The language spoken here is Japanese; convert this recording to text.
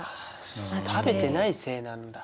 食べてないせいなんだ。